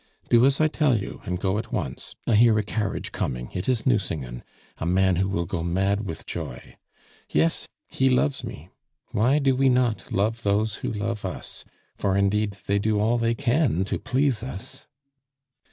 "Do as I tell you, and go at once. I hear a carriage coming. It is Nucingen, a man who will go mad with joy! Yes, he loves me! Why do we not love those who love us, for indeed they do all they can to please us?"